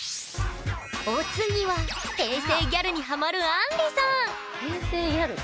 お次は「平成ギャル」にハマるあんりさん平成ギャル？